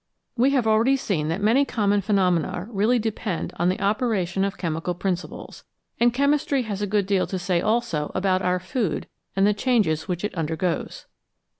We have already seen that many common phenomena really depend on the operation of chemical principles, and chemistry has a good deal to say also about our food and the changes which it undergoes.